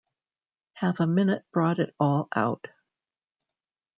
Half a minute brought it all out.